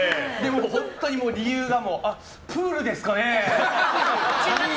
本当に理由があ、プールですかね。